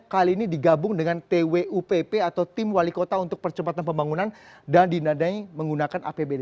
kali ini digabung dengan twupp atau tim wali kota untuk percepatan pembangunan dan dinadai menggunakan apbd